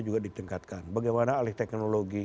juga ditingkatkan bagaimana alih teknologi